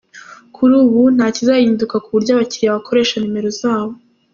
Kuri ubu nta kizahinduka ku buryo abakiriya bakoresha nimero zabo.